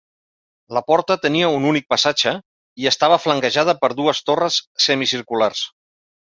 La porta tenia un únic passatge i estava flanquejada per dues torres semicirculars.